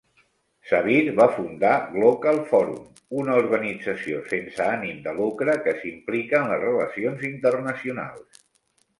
Savir va fundar Glocal Forum, una organització sense ànim de lucre que s'implica en les relacions internacionals.